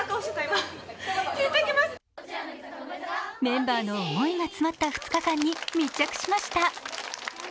メンバーの思いが詰まった２日間に密着しました。